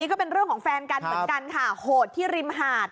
ก็เป็นเรื่องของแฟนกันเหมือนกันค่ะโหดที่ริมหาด